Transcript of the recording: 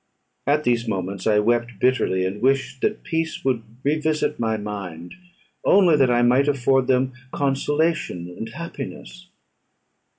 At these moments I wept bitterly, and wished that peace would revisit my mind only that I might afford them consolation and happiness.